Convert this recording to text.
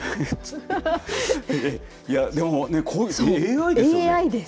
いやでもね、これ、ＡＩです。